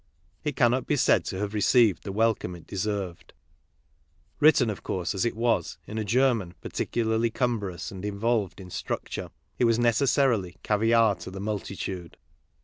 It cannot be said to have received the welcome it deserved. Written, of course, as it was in a German particularly cumbrous and in volved in structure, it was necessarily caviare to the multitude.